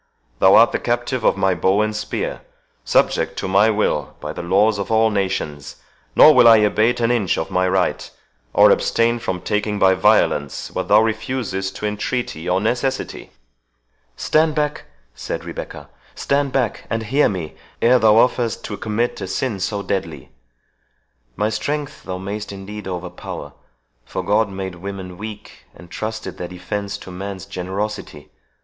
Thou art the captive of my bow and spear—subject to my will by the laws of all nations; nor will I abate an inch of my right, or abstain from taking by violence what thou refusest to entreaty or necessity." "Stand back," said Rebecca—"stand back, and hear me ere thou offerest to commit a sin so deadly! My strength thou mayst indeed overpower for God made women weak, and trusted their defence to man's generosity.